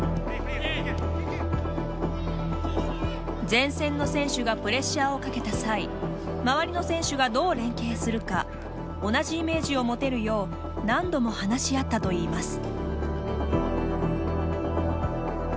前線の選手がプレッシャーをかけた際周りの選手がどう連携するか同じイメージを持てるよう何度も話し合ったといいます。